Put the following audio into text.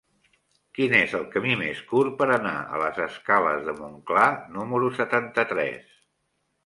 Quin és el camí més curt per anar a les escales de Montclar número setanta-tres?